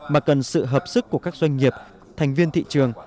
mà cần sự hợp sức của các doanh nghiệp thành viên thị trường